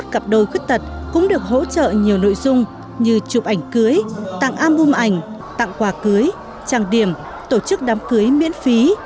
bốn mươi một cặp đôi khuyết tật cũng được hỗ trợ nhiều nội dung như chụp ảnh cưới tặng album ảnh tặng quà cưới trang điểm tổ chức đám cưới miễn phí